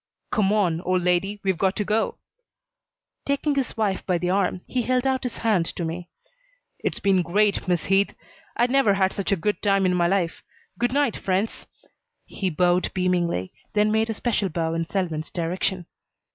"Come on, old lady, we've got to go." Taking his wife by the arm, he held out his hand to me. "It's been great, Miss Heath. I never had such a good time in my life. Good night, friends." He bowed beamingly, then made a special bow in Selwyn's direction.